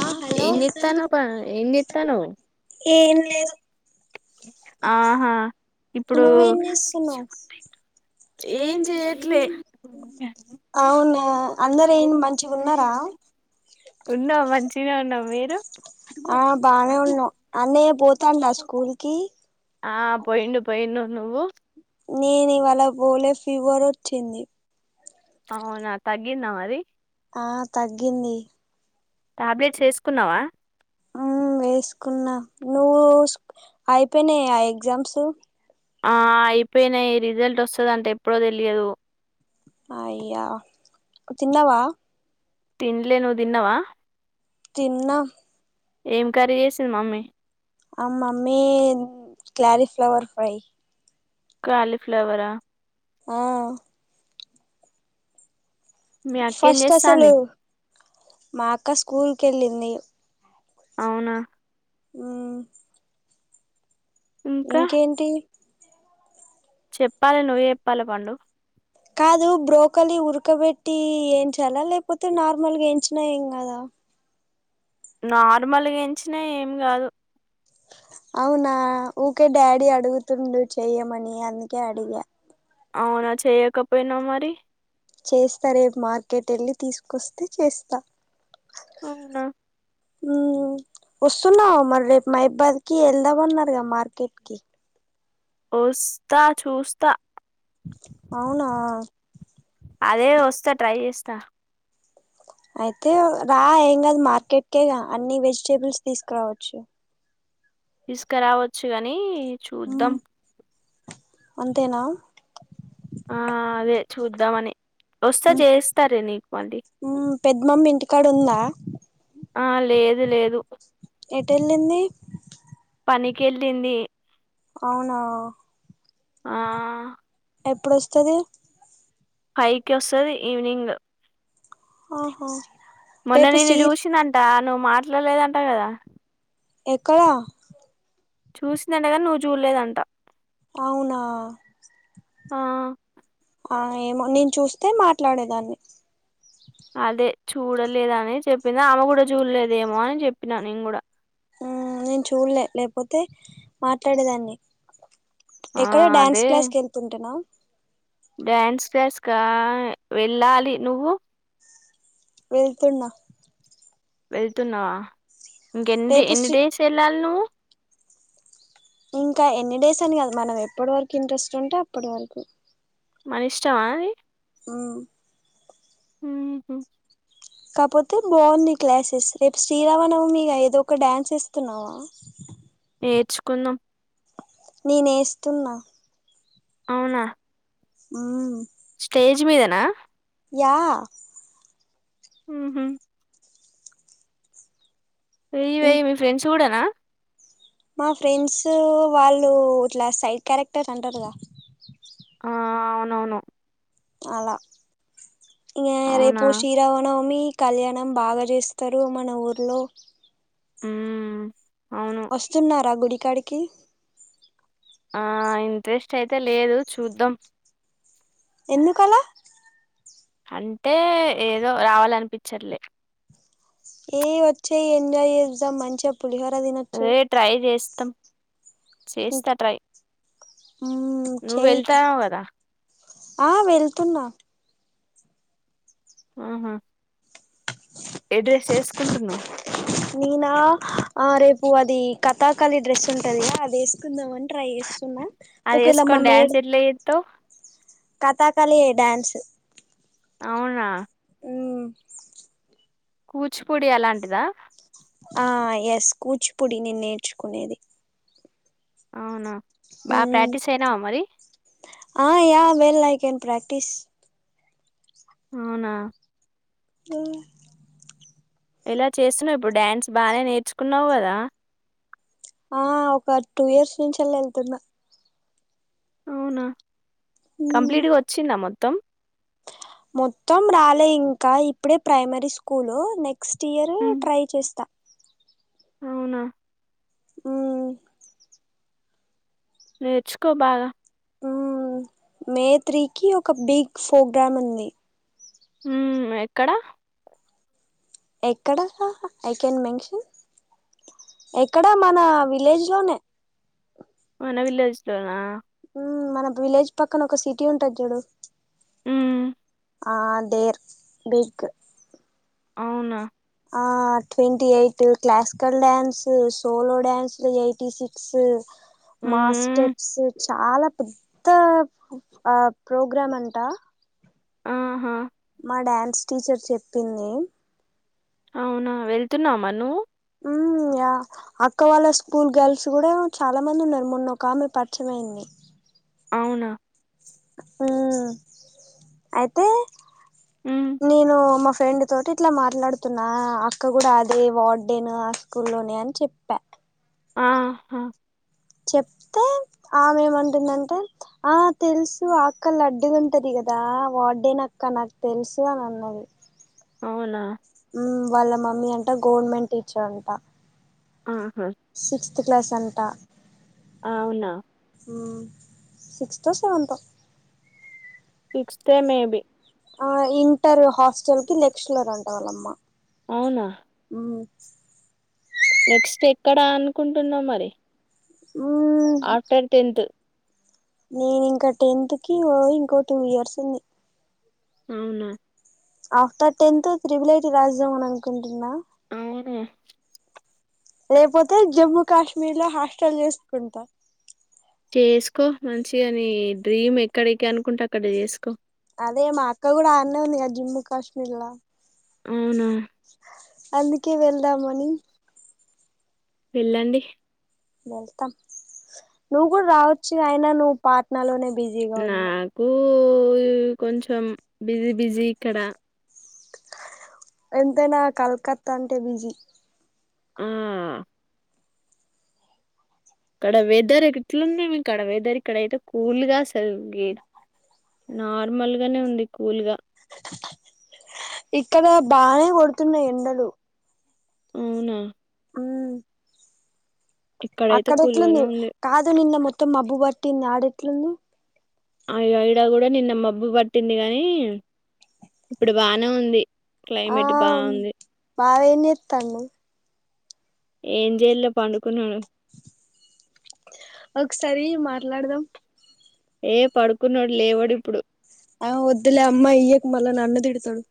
హ హలో ఎం చేతనావ్ ప ఎం చేతనావ్ ఏం లేదు ఆహా ఇప్పుడు ఏం చెయట్లే అవునా అందరు ఏం మంచి ఉన్నారా ఉన్నా మంచిగనే ఉన్నా మీరు ఆ బానే ఉన్నావు అన్నయ్య పోతాండా స్కూల్ కి ఆ పోయిండు పోయిను నువ్వు నేను ఇవాళ బోలే ఫివర్ వొచింది న్న మరి ఆ తగ్గింది టాబ్లెట్స్ వేసుకున్నావా ఆ వేసుకున్నా నువ్వు అయిపోయినాయి ఆ ఎగ్జామ్స్ ఆ అయిపోయినాయి రిజల్ట్ వస్తుంది అంటే ఎప్పుడో తెలియదు అయ్యా తిన్నావా తిన్లే నువ్వు తిన్నావా తిన్నా ఏం కర్రీ చేసింది మమ్మీ ఆ మమ్మీ క్లారి ఫ్లవర్ ఫ్రై కాలీఫ్లవరా ఆ మీ అక్కేం ఫస్ట్ అసలు చేస్తాంది మాక్క స్కూల్ కెళ్ళంది అవునా ఆ ఇంకా ఇంకేంటి చెప్పాలి నువ్వే చెప్పాలి పండు కాదు బ్రోకలి ఉరకబెట్టి వయించాలా లేకపోతే నార్మల్ వయించినా ఏం కదా నార్మల్గా ఎంచినా ఏమి కాదు అవునా ఊకే డాడీ అడుగుతుండు చెయ్యమని అందుకే అడిగా అవునా చేయకపోయినా మరి చేస్తా రేపు మార్కెట్ వెళ్ళి తీసుకొస్తే చేస్తా అవునా హ్మ్ వస్తున్నావు మరి రేపు మైబాద్ కి వెళ్దామన్నారుగా మార్కెట్ కి వస్తా చూస్తా అవునా అదే వస్తా ట్రై చేస్తా స్త అయితే రా ఏం కదు మార్కెట్కే అన్ని వెజిటేబుల్స్ తీసుకురావచ్చు తీసుకురావచ్చు గాని చూద్దాం మ్మ్ అంతేనా ఆ అదే చూద్దామని వస్తా చేస్తారే నీకు మళ్ళీ పెద్దమమ్మి ఇంటికాడు ఉందా ఆ లేదు లేదు ఏటెల్లింది పనికి వెళ్ళింది అవునా ఆ ఎప్పుడస్తది ఫైవ్ కి వస్తంది ఈవినింగ్ ఆఓహా మొన్న నేను చుసినంటా నువ్వు మాట్లాడలేదంటా కదా ఎక్కడ చూసిందండగాని నువ్వు చూడలేదంట అవునా ఆ ఆ ఏమో నేను చూస్తే మాట్లాడేదాన్ని అదే చూడలేద అని చెప్పిందా ఆమే కూడా చూడలేదేమో అని చెప్పినా నేను కూడా ఆ నేను చూడలే లేకపోతే మాట్లాడేదాన్ని ఆ ఎక్కడ అదే డ్యాన్స్ క్లాస్ కి వెళ్తుంటున్నా డ్యాన్స్ క్లాస్కా వెళ్ళాలి నువ్వు వెళ్తున్నా వెళ్తున్నావా ఇంక ఎన్ని రేపు ఎన్ని శ్రీ డేస్ వెళ్ళాలి నువ్వు ఇంకా ఎన్ని డేస్ అని కదా మనం ఎప్పటి వరకు ఇంట్రెస్ట్ ఉంటే అప్పటి వరకు మన ఇష్టమా అ అవు హా కాకపోతే బాగుంది క్లాసెస్ రేపు శ్రీరామణవు మీగా ఏదో ఒక డ్యాన్స్ ఇేస్తున్నావా నేర్చుకుందం నేనే వస్తున్నా అవునా హా స్టేజ్ మీదనా యా హ హ వెయ ఇం వెయి మీ ఫ్రెండ్స్ చూడనా మా ఫ్రెండ్స్ వాళ్ళు ఇట్లా సైడ్ క్యారెక్టర్ అంటారు గా ఆ అవునవును అలా ఇ ఎర అవునా పూ షీరావన అమి కళ్యాణం బాగా చేస్తారు మన ఊర్లో మ్మ్ వస్తున్నారా గుడికాడికి ఆ ఇంట్రెస్ట్ అయితే లేదు చూద్దాం ఎందుకలా అంటే ఏదో రావాలనిపించట్లే ఏ వచ్చేయ్ ఎంజాయ్ చేద్దాం మంచ అదే ట్రై చేస్తాం చేస్తా ఇంకా ట్రై మ్మ్ నువ్వు చేయి వెళ్తావు కదా ఆ వెళ్తున్నా ఆహా కుంటున్నా నేనా ఆ రేపు అది కథాకళి డ్రెస్ ఉంటదిగా అది వేసుకుందాం అం ట్రై చేస్తున్నా అది ఒకేలా మ వేసుకొని డ్యాన్స్ మేడ్ ఎట్లా చేస్తావ్ కతాకళి డ్యాన్స్ అవునా మ్మ్ కూచిపూడి అలాంటిదా ఆ ఎస్ కూచిపూడి నేను నేర్చుకునేది అవునా బా హ్మ్ ప్రాక్టీస్ అయినావా మరి? ఆ yeah well I can practice అవునా [unintelligible] ఎలా చేస్తున్నావ్ ఇప్పుడు డ్యాన్స్ బానే నేర్చుకున్నావ్ కదా ఆ ఒక టూ ఇయర్స్ నుంచి అలా వెళ్తున్నా అవునా మ్మ్ కంప్లీట్ గా వచ్చిందా మ్మా మొత్తం మొత్తం రాలే ఇంకా ఇప్పుడే ప్రైమరీ స్కూలు నెక్స్ట్ ఇయర్ హ్మ్. ట్రై చేస్తా. అవునా హ్మ్ నేర్చుకో బాగా హ్మ్ మే త్రీకి ఒక బిగ్ ప్రోగ్రామ్ ఉంది. హ్మ్ ఎక్కడా ఎక్కడ ఐ క్యాన్ మెన్షన్ ఎక్కడ మన విలేజ్ లోనే అవునా వళ్లేజ్లోనా మన విలేజ్ పక్కన ఒక సిటీ ఉంటది చూడు హ్మ్. ఆ దేర్ బికు అవునా twenty eight classical dance solo డన్సులు ఎయిటీ సిక్స్ హ్మ్. మాస్టెప్స్ చాలా పెద్ద ఆ ప్రోగ్రాం అంట ఆహా ఆ డ్యాన్స్ టీచర్ చెప్పింది అవునా వెళ్తున్నామా నువ్వు అక్క వాళ్ళ స్కూల్ గర్ల్స్ కూడా చాలా మంది ఉన్నారు మొన్న ఒక ఆమె పరిచమైంది అవునా అ అయితే హ్మ్. నను మఫ ఫ్రెండ్ తోటి ఇట్లా మాట్లాడుతున్నా అక్క కూడా అదే వార్డేను ఆ స్కూ లోనే అని చెప్పా ఆ చెప్తే ఆమె ఏమంటుందంటే ఆ తెలుసు ఆక్కలు అడ్డుగుంటది కదా వాడేన అక్క నాకు తెలుసు అని అన్నది అవునా వాళ్ళ మమ్మీ అంట గవర్నమెంట్ టీచర్ అంట ఆహా! సిక్స్త్ క్లాస్ అంట అవునా? సిక్స్తో సెవెన్త్ సిక్స్త్ మేబీ. ఆ ఇంటర్ హాస్టల్ కి లెక్స్లర్ అంట వాళ్ళమ్మా అవునా? అ నెక్స్ట్ ఎక్కడ అనుకుంటున్నాం మరి మ్మ్ ఆఫ్టర్ టెన్త్ నేను ఇంకా టెన్త్ కి ఇంగో ఇంకో టూ ఇయర్స్ ఉంది అవునా ఆఫ్టర్ టెన్త్ ట్రిపుల్ ఐటి రాద్దాం అనుకుంటున్నా అవునా? లేకపోతే జమ్మూ కాశ్మీర్ లో హాస్టల్ చేసుకుంటా చేసుకో మంచిగానే డ్రీమ్ ఎక్కడికి ఆన్ కుంటె అక్కడ చేసుకో అదే మా అక్క కూడా ఆడ్నే ఉంది కదా జమ్మూ కాశ్మీర్లో అవునా అందుకే వెళ్దామని వెళ్ళండి వెళ్తం పాట్నాలోనే బిజీగా ఉన్నావు నాకు కొంచెం బిజీ బిజీ ఇక్కడ ఎంతేనా కలకత్తా అంటే బిజీ ఆ అక్కడ వెదర్ ఎట్లుండే మీకి ఆడ ఇక్కడ అయితే వెదర్ కూల్ గా అసల నార్మల్ గానే ఉంది కూల్ గా ఇక్కడ బానే కొడుతున్నాయి ఎండలు అవునా అ ఉమ్ అక్కడ ఎట్లుంది కాదు నిన్న మొత్తం మబ్బు పట్టింది ఆడ ఎట్లుంది అయ్యా ఇయ్యా కూడా నిన్న మబ్ బూ పట్టింది గాని ఇప్పుడు బానే ఉంది ఆ క్లైమేట్ బాగుంది బావ ఏం చేత్తన్నావ్ ఏం చేలే పండుకున్నాడు ఒకసారి ఈ మాట్లాడదాం ఏ పడుకున్నాడు లేవడు ఇప్పుడు ఆ వద్దులే అమ్మా ఇయ్యకు మళ్ళా నన్ను తిడు తడు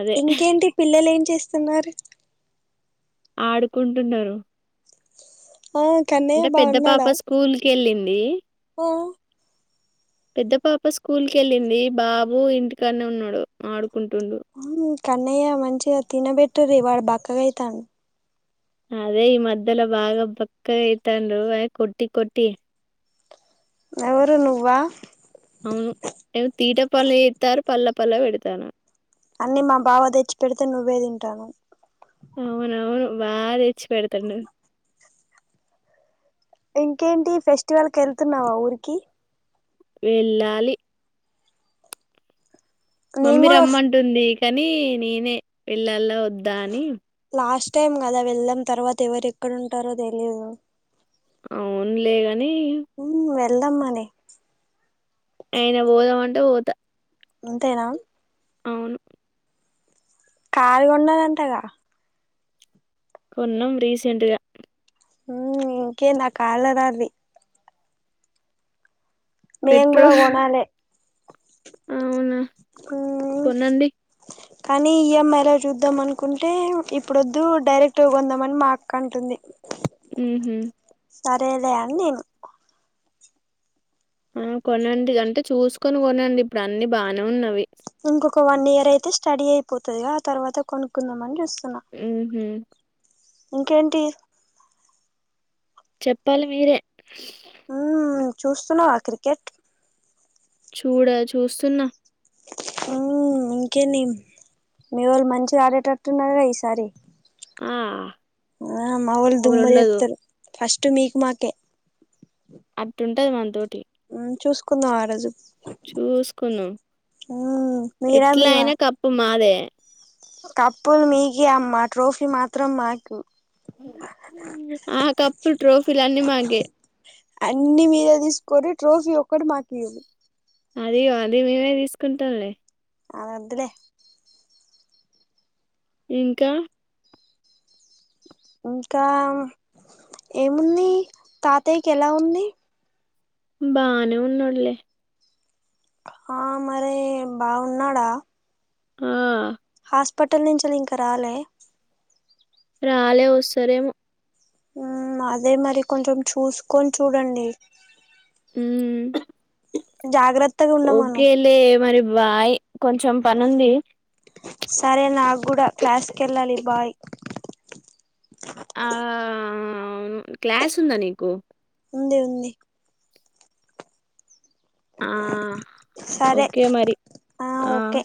అదే ఇంకేంటి పిల్లలు ఏం చేస్ స్తున్నారు ఆడుకుంటున్నారు ఆ కన్నయ్య అంటే పెద్ద పాప బాగున్నాడా స్కూల్ కి వెళ్ళింది ఆ పెద్ద పాప స్కూల్ కి వెళ్ళింది బాబు ఇంటికాడనే ఉన్నాడు ఆడు హ కన్నయ్య మంచిగా తినబెట్ [unintelligible] వాడు బక్కగా అయి అదే ఈ మధ్యలో బాగా బాక్కగాయితనరు అదే కొట్టి కొట్టి ఎవరు నువ్వా అవును ఏ తీట పన్లుచేస్తారు పల్ల పలవెడతన అన్ని మా బావ తెచ్చి పెడితే నువ్వే తింటానవ్ బా తేచ్చిపెడుతుండు ఇంకేంటి ఫెస్టివల్ కి వేళ్తున్నావా ఊరికి ఎళ్ళాలి నేను మమ్మీ కూడా వస్ రమ్మంటుంది కానీ నేనే వెళ్ళాలా వద్దా అని లాస్ట్ టైం కదా వెళ్ళం తర్వాత ఎవరు ఎక్కడుంటారో తెలీయిదు అవునులేగాని మ్మ్ వెళ్దాం మరి అయన పోదాం అంటే పోతా అంతేనా అవును కాల్గండద అంతగా కొన్నం రీసెంట్గా ఊఉ ఇంకేందక్క కాలరాది మేం కూడా పెట్రోల్ కొనలే అవునా కొనండి కానీ ఇమైలో చూద్దాం అనుకుంటే, ఇప్పుడోద్దు డైరెక్ట్ కొందామని మా అక్క అంటుంది, ఉహు సరేలే అని నేను ఆ కొనండి అంటే చూసుకొని కొనండి ఇప్పుడు అన్ని బానే ఉన్నవి ఇంకొక వన్ ఇయర్ అయితే స్టడీ అయిపోతుందిగా, ఆ తర్వాత కొనుక్కుందాంమని చూస్తున్నా ఉహు ఇంకేంటి చెప్పాలి మీరే ఉ చూస్తున్నావా క్రికెట్ చూడా చూస్తున్నా ఉ ఇంకే మీ వాళ్ళు మంచిగా ఆడేటట్టున్నారుగా ఈసారి ఆ ఆ మావళ్ళ దుమ్ అమలుండదు లేప్తారు ఫస్ట్ మీకు మాకే అట్ంటది మనతోటి చూసుకున్నా ఆ రోజు చూసుకున్నాం మ్మ్ మీరా ఎట్లా మీవా అయినా కప్పు మాదే ఎ కప్పులు మీకే అమ్మ ట్రోఫీ మాత్రం మాకు ఆ కప్పుకే అన్ని మీరే తీసుకొని ట్రోఫీ ఒక్కటి మాకీయ్యండి అది అది మీ నే తీసుకుంటాలే అ వద్దులే ఇంకా ఇంకా ఏముంది తాతయ్యకి ఎలా ఉంది బానే ఉన్నాడులే ఆ మరి బాగున్నాడా ఆ హాస్పిటల్ నుంచి ఇంక రాలే రాలే వస్తారేమో మ్ అదే మరి కొంచెం చూస్ కొన్ చూడండి మ్మ్ జాగ్రత్తగా ఉండమను ఓకేలే మరి వాయ్ సరే నాక్కూడ క్లాస్కెళ్ళాలి బాయ్ ఆ క్లాస్ ఉందా నీకు ఉంది ఉంది ఆ! సరే ఓకే మరి. ఆ ఓకే